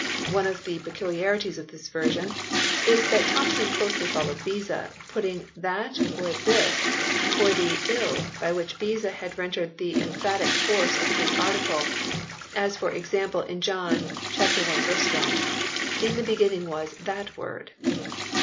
One of the peculiarities of this version is that Tomson closely followed Beza, putting " that " or "this" for the ille by which Beza had rendered the emphatic force of the Greek article, as for example in John i. 1 "In the beginning was that Word."